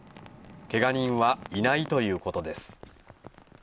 けが人はいないということです。